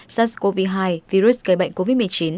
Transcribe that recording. sars cov hai virus gây bệnh covid một mươi chín